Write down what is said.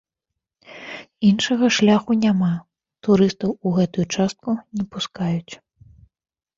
Іншага шляху няма, турыстаў у гэтую частку не пускаюць.